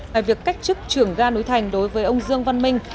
về việc cách chức trưởng ga núi thành đối với ông dương văn minh